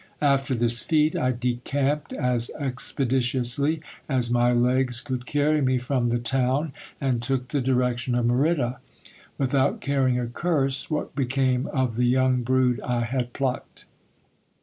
After this feat, I decamped as expeditiously as my legs could carry me from the town, and took the direc tion of Merida, without caring a curse what became of the young brood I had plucked.